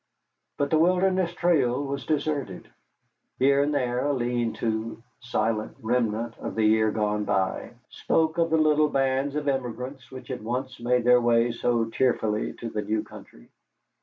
But the Wilderness Trail was deserted. Here and there a lean to silent remnant of the year gone by spoke of the little bands of emigrants which had once made their way so cheerfully to the new country.